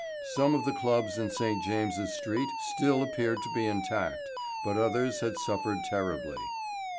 Some of the clubs in St. James's Street still appeared to be intact, but others had suffered terribly.